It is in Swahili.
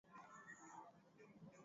ni vyema mkulima kuvuna kwa wakati